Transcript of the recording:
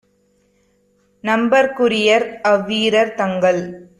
நம்பற்க் courier அவ்வீரர் - தங்கள்